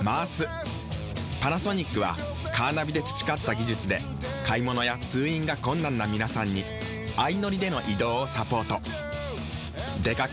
パナソニックはカーナビで培った技術で買物や通院が困難な皆さんに相乗りでの移動をサポート。